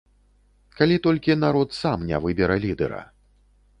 Калі толькі народ сам не выбера лідэра.